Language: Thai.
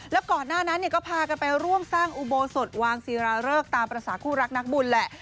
แล้วก่อนหน้านั้นก็พากันไปร่วมสร้างอุโบสถวางศิราเริกตามภาษาคู่รักนักบุญแหละ